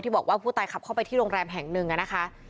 บอกว่าผู้ตายขับเข้าไปที่โรงแรมแห่งหนึ่งนะคะ